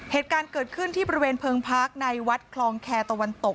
เหตุการณ์เกิดขึ้นที่บริเวณเพิงพักในวัดคลองแคร์ตะวันตก